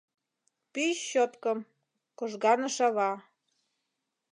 Пӱй щёткым, — кожганыш ава.